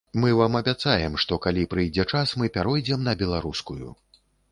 Мы вам абяцаем, што калі прыйдзе час, мы пяройдзем на беларускую.